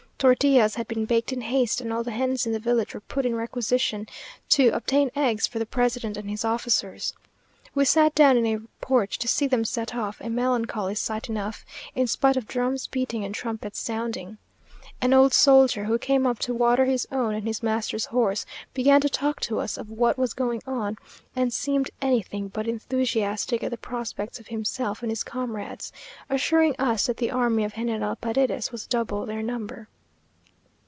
Tortillas had been baked in haste, and all the hens in the village were put in requisition to obtain eggs for the president and his officers. We sat down in a porch to see them set off; a melancholy sight enough, in spite of drums beating and trumpets sounding. An old soldier, who came up to water his own and his master's horse, began to talk to us of what was going on, and seemed anything but enthusiastic at the prospects of himself and his comrades, assuring us that the army of General Paredes was double their number.